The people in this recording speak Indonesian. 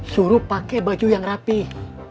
suruh pakai baju yang rapih